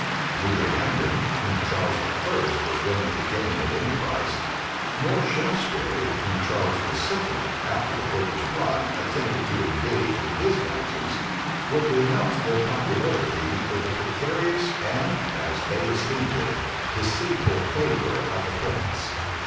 Neither Hambden, whom Charles I. was willing to gain at any price; nor Shaftesbury, whom Charles II., after the Popish plot, attempted to engage in his counsels, would renounce their popularity for the precarious, and, as they esteemed it, deceitful favor of the prince.